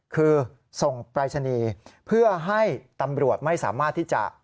คือส่งปรายศนีย์เพื่อให้ตำรวจไม่สามารถที่จะ